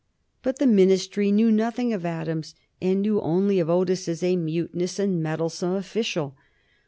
But the Ministry knew nothing of Adams, and knew only of Otis as a mutinous and meddlesome official.